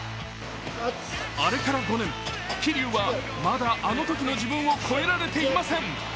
あれから５年、桐生はあのときの自分を超えられていません。